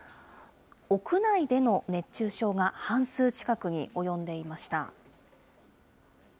屋内での熱中症が半数近くに及んでいました。